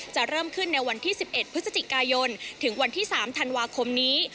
จะเริ่มขึ้นในวันที่๑๑พฤศจิกายนถึงวันที่๓ธันวาคมนี้